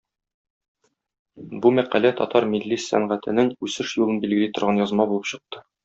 Бу мәкалә татар милли сәнгатенең үсеш юлын билгели торган язма булып чыга.